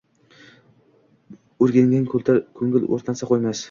O‘rgangan ko‘ngil o‘rtansa qo‘ymas